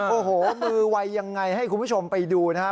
โอ้โหมือไวยังไงให้คุณผู้ชมไปดูนะครับ